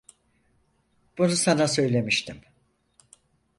Bunu sana söylemiştim.